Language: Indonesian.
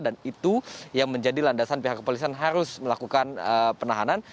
dan itu yang menjadi landasan pihak kepolisian harus melakukan penahanan